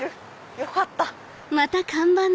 よかった。